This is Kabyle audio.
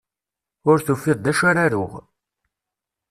Ur tufiḍ d acu ara aruɣ.